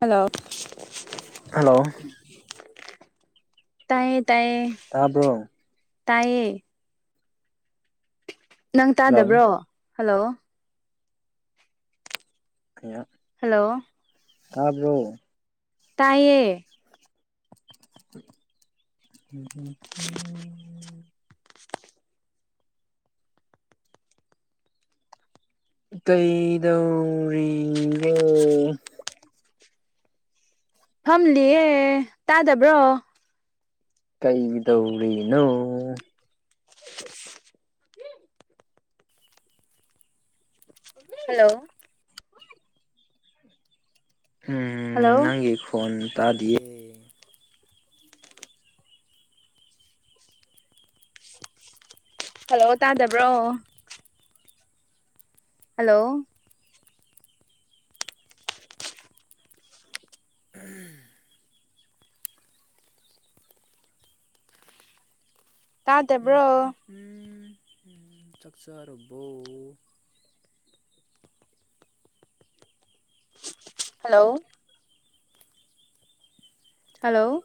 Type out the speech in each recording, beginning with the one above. hello hello ꯇꯥꯏꯌꯦ ꯇꯥꯏꯌꯦ ꯇꯥꯕ꯭ꯔꯣ ꯇꯥꯏꯌꯦ ꯅꯪ ꯍꯜꯂꯣ ꯇꯥꯗꯕ꯭ꯔꯣ ꯍꯜꯂꯣ [unintelligible] ꯍꯜꯂꯣ ꯋꯋꯋꯋ ꯇꯥꯏꯌꯦ [inaudible] ꯀꯩꯗꯧꯔꯤ [unintelligible] ꯐꯝꯂꯤꯍꯦ ꯇꯥꯗꯕ꯭ꯔꯣ ꯀꯩꯗꯧꯔꯤꯅꯣ [inaudible] ꯍꯜꯂꯣ ꯎꯝ ꯍꯜꯂꯣ ꯅꯪꯒꯤ ꯈꯣꯟ ꯇꯥꯗꯤꯌꯦ ꯍꯜꯂꯣ ꯇꯥꯗꯕ꯭ꯔꯣ ꯍꯜꯂꯣ [unintelligible] ꯇꯥ ꯗꯕ꯭ꯔꯣ ꯆꯥꯛ ꯆꯥꯔꯕꯣ hello hello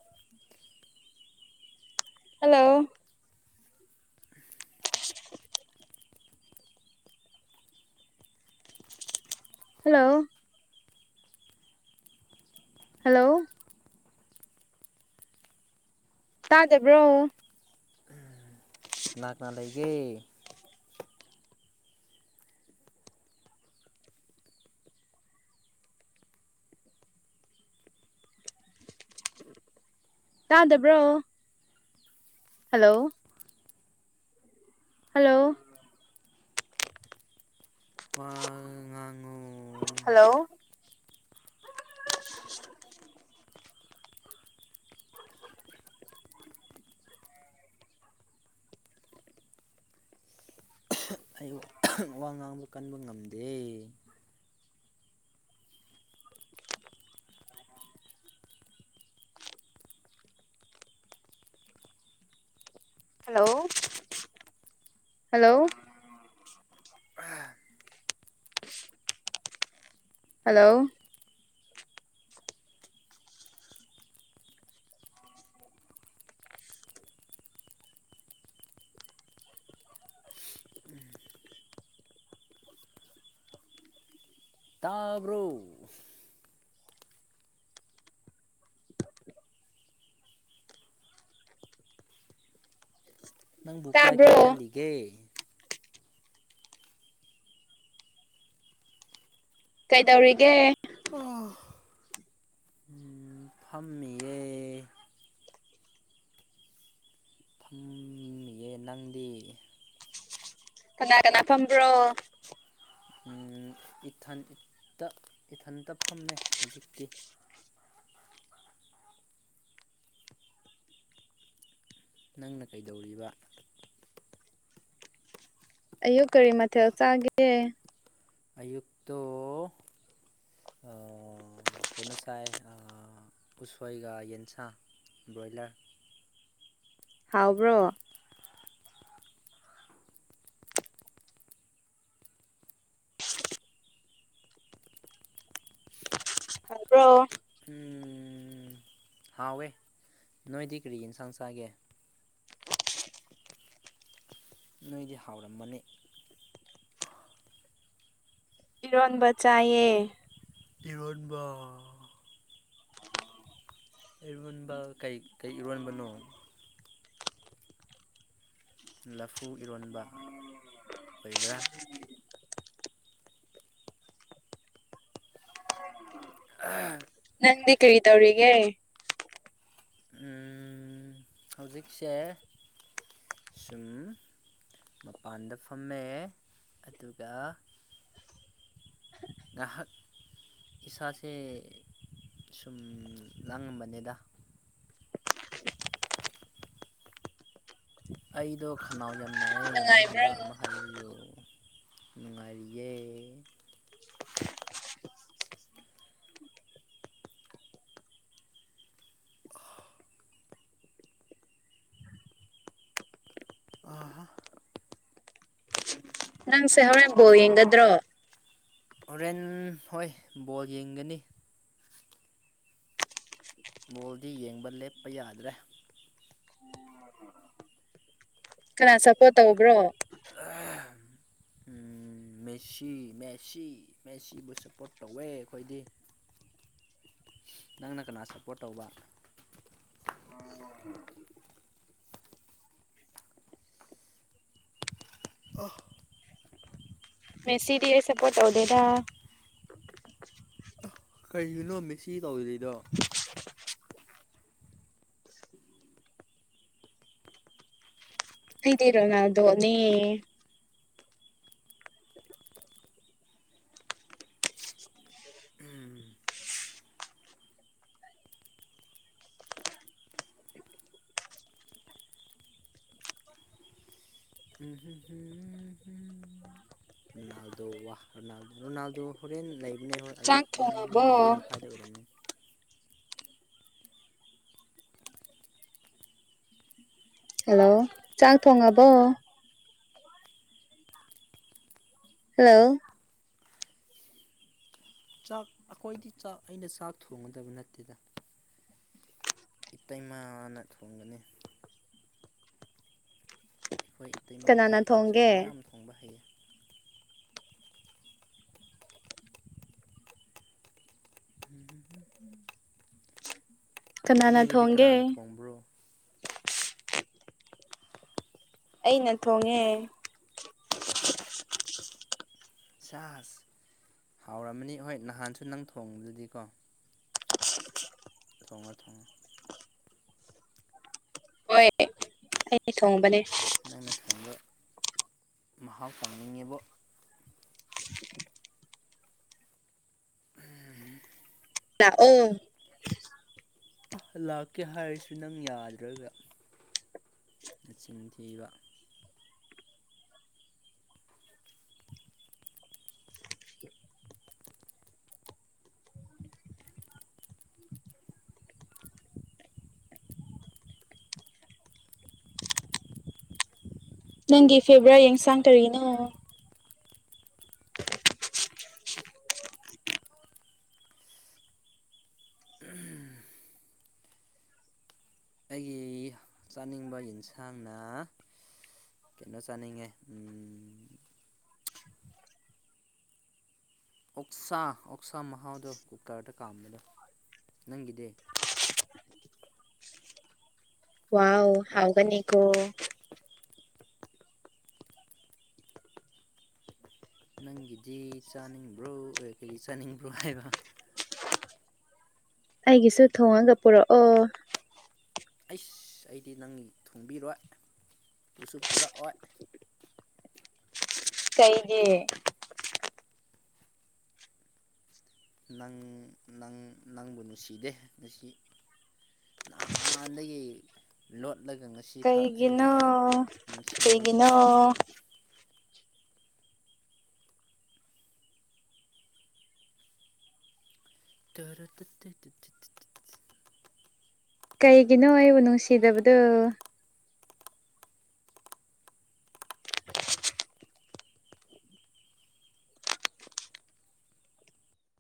hello hello hello ꯇꯥꯗꯕ꯭ꯔꯣ ꯀꯅꯥꯛꯅꯥ ꯂꯩꯒꯦ ꯇꯥꯗꯕ꯭ꯔꯣ ꯍꯜꯂꯣ ꯍꯜꯂꯣ [unintelligible] ꯍꯜꯂꯣ ꯋꯥꯉꯥꯡ ꯉꯥꯡꯕ ꯀꯟꯕ ꯉꯝꯗꯦ ꯍꯜꯂꯣ ꯍꯜꯂꯣ ꯑ ꯍꯂꯣ ꯇꯥꯕ꯭ꯔꯣ ꯅꯪꯕꯨ ꯀꯥꯏ ꯀꯥꯏ ꯇꯥꯕ꯭ꯔꯣ ꯆꯠꯂꯤꯒꯦ ꯀꯩꯗꯧꯔꯤꯒꯦ [unintelligible] ꯐꯝꯃꯤꯌꯦ ꯐꯝꯃꯤ [unintelligible] ꯑ‌ꯦ ꯅꯪꯗꯤ ꯀꯅꯥ ꯀꯅꯥ ꯐꯝꯕ꯭ꯔꯣ ꯎꯝ ꯏꯊꯟ ꯏꯇ ꯏꯊꯟꯇ ꯐꯝꯃꯦ ꯍꯧꯖꯤꯛꯇꯤ ꯅꯪꯅ ꯀꯩꯗꯧꯔꯤꯕ ꯑꯌꯨꯛ ꯀꯔꯤ ꯃꯊꯦꯜ ꯆꯥꯒꯦ ꯑꯌꯨꯛꯇ‌ꯣ ꯑꯥ ꯀꯩꯅꯣ ꯆꯥꯏ ꯑꯥ ꯎꯁꯣꯏꯒ ꯌꯦꯟꯁꯥꯡ ꯕ꯭ꯔꯣꯏꯂꯔ ꯍꯥꯎꯕ꯭ꯔꯣ ꯍꯥꯏꯕ꯭ꯔꯣ ꯎꯝ ꯍꯥꯎꯋꯦ ꯅꯣꯏꯗꯤ ꯀꯔꯤ ꯏꯟꯁꯥꯡ ꯆꯥꯒꯦ ꯅꯣꯏꯗꯤ ꯍꯥꯎꯔꯝꯃꯅꯤ ꯏꯔꯣꯟꯕ ꯆꯥꯏꯌꯦ ꯏꯔ‌ꯣꯟꯕꯥ ꯏꯔꯣꯟꯕ ꯀꯩ ꯀꯩ ꯏꯔꯣꯟꯕꯅꯣ ꯂꯐꯨ ꯏꯔꯣꯟꯕ ꯑꯣꯏꯕ꯭ꯔꯥ [unintelligible] [unintelligible] ꯅꯪꯗꯤ ꯀꯔꯤ ꯇꯧꯔꯤꯒꯦ ꯎꯝ ꯍꯧꯖꯤꯛꯁꯦ ꯁꯨꯝ ꯃꯄꯥꯟꯗ ꯐꯝꯃꯦ ꯑꯗꯨꯒ ꯉꯍꯥꯛ ꯏꯁꯥꯁꯦ ꯁꯨꯝ ꯂꯥꯡꯉꯝꯕꯅꯦꯗ ꯑꯩꯗꯣ ꯈꯅꯥꯎ ꯌꯥꯝ ꯅꯥꯏꯌꯦ ꯅꯪ ꯅꯨꯡꯉꯥꯏꯕ꯭ꯔꯣ ꯍꯤꯗꯥꯛ ꯑꯃ ꯍꯥꯏꯕꯤꯌ‌ꯣ ꯅꯨꯡꯉꯥꯏꯔꯤꯌꯦ ꯑꯍꯥ ꯅꯪꯁꯦ ꯍꯧꯔꯦꯟ ꯕꯣꯜ ꯌꯦꯡꯒꯗ꯭ꯔꯣ ꯍꯣꯔꯦꯟ ꯍꯣꯏ ꯕꯣꯜ ꯌꯦꯡꯒꯅꯤ ꯕꯣꯜꯗꯤ ꯌꯦꯡꯕ ꯂꯦꯞꯄ ꯌꯥꯗ꯭ꯔꯦ ꯀꯅꯥ ꯁꯞꯄꯣꯔꯠ ꯇꯧꯕ꯭ꯔꯣ ꯃꯦꯁꯤ ꯃꯦꯁꯤ ꯃꯦꯁꯤꯕꯨ ꯁꯞꯄꯣꯔꯠ ꯇꯧꯋꯦ ꯑꯩꯈꯣꯏꯗꯤ ꯅꯪꯅ ꯀꯅꯥ ꯁꯞꯄꯣꯔꯠ ꯇꯧꯕ [unintelligible] [unintelligible] ꯃꯦꯁꯤꯗꯤ ꯑꯩ ꯁꯞꯄꯣꯔꯠ ꯇꯧꯗ‌ꯦꯗꯥ ꯀꯔꯤꯒꯤꯅꯣ ꯃꯁꯤ ꯇꯧꯔꯤꯗꯩꯗꯣ ꯍꯗꯤꯔꯣ ꯅ ꯅꯦ ꯎꯝ ꯔꯣꯅꯥꯜꯗ ꯋꯥꯍ ꯔꯣꯅꯥꯜꯗ ꯔꯣꯅꯥꯜꯗ ꯍꯣꯔꯦꯟ ꯂꯩꯕꯅꯦ ꯍꯣꯏ ꯆꯥꯛ ꯑꯌꯨꯛ ꯄꯨꯡ ꯊꯣꯡꯉꯕꯣ ꯃꯔꯤ ꯃꯈꯥꯏꯗ ꯑꯣꯏꯔꯝꯅꯦ ꯍꯜꯂꯣ ꯆꯥꯛ ꯊꯣꯡꯉꯕꯣ ꯍꯜꯂꯣ ꯆꯥꯛ ꯑꯩꯈꯣꯏꯗꯤ ꯆꯥꯛ ꯑꯩꯅ ꯆꯥꯛ ꯊꯣꯡꯒꯗꯕ ꯅꯠꯇꯦꯗ ꯏꯇꯩꯃꯥꯅ ꯊꯣꯡꯒꯅꯤ ꯑꯩꯈꯣꯏ ꯏꯇꯩꯃ ꯀꯅꯥꯅ ꯆꯥꯛ ꯊꯣꯡꯒꯦ ꯏꯟꯁꯥꯡ ꯌꯥꯝ ꯊꯣꯡꯕ ꯍꯩꯌꯦ ꯎꯝ ꯀꯅꯥꯅ ꯅꯣꯏꯒꯤꯗꯤ ꯊꯣꯡꯒꯦ ꯀꯅꯥꯅ ꯊꯣꯡꯕ꯭ꯔꯣ ꯑꯩꯅ ꯊꯣꯡꯉꯦ ꯁꯥꯁ ꯍꯥꯎꯔꯝꯃꯅꯤ ꯍꯣꯏ ꯅꯍꯥꯟꯁꯨ ꯅꯪ ꯊꯣꯡꯕꯗꯨꯗꯤꯀꯣ ꯊꯣꯉ ꯊꯉ ꯍꯣꯏ ꯑꯩ ꯊꯣꯡꯕꯅꯦ ꯅꯪꯅ ꯊꯦꯡꯕ ꯃꯍꯥꯎ ꯇꯣꯡꯅꯤꯡꯉꯦꯕ ꯂꯥꯛ ꯑꯣ ꯑ ꯂꯥꯛꯀꯦ ꯍꯥꯏꯔꯁꯨ ꯅꯪ ꯌꯥꯗ꯭ꯔꯣꯏꯕ ꯅꯆꯤꯟ ꯊꯤꯕ ꯅꯪꯒꯤ ꯐꯦꯕ꯭ꯔꯥ ꯌꯦꯟꯁꯥꯡ ꯇꯔꯤꯅꯣ ꯑꯩꯒꯤ ꯆꯥꯅꯤꯡꯕ ꯌꯦꯟꯁꯥꯡꯅ ꯀꯩꯅꯣ ꯆꯥꯅꯤꯡꯉꯦ ꯑꯣꯛꯁꯥ ꯑꯣꯛꯁꯥ ꯃꯍꯥꯎꯗꯣ ꯀꯨꯀꯔꯗ ꯀꯥꯝꯕꯗꯣ ꯅꯪꯒꯤꯗꯤ ꯋꯥꯎ ꯍꯥꯎꯒꯅꯤꯒꯣ ꯅꯪꯒꯤꯗꯤ ꯆꯥꯅꯤꯡꯕ꯭ꯔꯣ ꯀꯔꯤ ꯆꯥꯅꯤꯡꯕ꯭ꯔꯣ ꯍꯥꯏꯕ ꯑꯩꯒꯤꯁꯨ ꯊꯣꯡꯉꯒ ꯄꯨꯔꯛꯑꯣ ꯑꯩꯁ ꯑꯩꯗꯤ ꯅꯪ ꯊꯨꯡꯕꯤꯔꯣꯏ ꯄꯨꯁꯨ ꯄꯨꯔꯛꯑꯣꯏ ꯀꯩꯒꯤ ꯅꯪ ꯅꯪꯕꯨ ꯅꯨꯡꯁꯤꯗꯦ ꯅꯨꯡꯁꯤ ꯅꯍꯥꯟꯗꯒꯤ ꯂꯣꯠꯂꯒ ꯉꯁꯤ ꯀꯩꯒꯤꯅꯣ ꯅꯤꯡꯁꯤꯡꯕꯒꯨꯝ ꯀꯩꯒꯤꯅꯣ ꯇꯧꯋꯦ ꯅꯪ ꯇꯧꯔ ꯇꯠꯇꯆꯠ ꯀꯩꯒꯤꯅꯣ ꯑꯩꯕꯨ ꯅꯨꯡꯁꯤꯗꯕꯗꯨ [unintelligible]